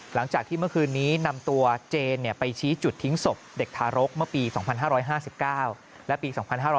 หลังจากที่เมื่อคืนนี้นำตัวเจนไปชี้จุดทิ้งศพเด็กทารกเมื่อปี๒๕๕๙และปี๒๕๕๙